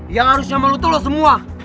yang harusnya malu tuh lo semua